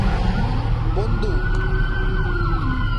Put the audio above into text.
এখানে মে থেকে জুলাই মাস পর্যন্ত দীর্ঘ একটি বর্ষাকাল আছে।